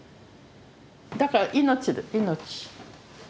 だから命命。